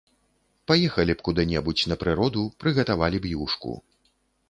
Паехалі б куды-небудзь на прыроду, прыгатавалі б юшку!